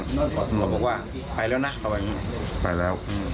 เขาก็บอกว่าไปแล้วนะไปแล้ว